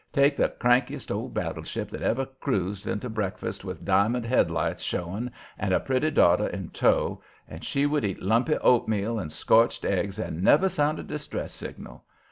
Take the crankiest old battle ship that ever cruised into breakfast with diamond headlights showing and a pretty daughter in tow, and she would eat lumpy oatmeal and scorched eggs and never sound a distress signal.